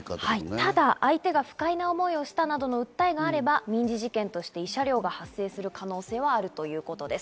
ただ相手が不快な思いをしたなどの訴えがあれば民事事件としての慰謝料が発生する可能性があるということです。